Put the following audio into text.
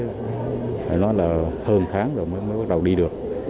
phải nói là hơn tháng rồi mới bắt đầu đi được